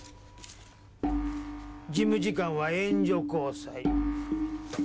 事務次官は援助交際。